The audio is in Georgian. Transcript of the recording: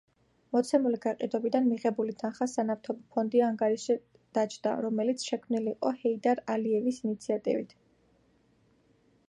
მოცემული გაყიდვებიდან მიღებული თანხა სანავთობო ფონდია ანგარიშზე დაჯდა, რომელიც შექმნილი იყო ჰეიდარ ალიევის ინიციატივით.